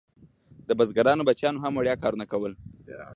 د بزګرانو بچیانو هم وړیا کارونه کول.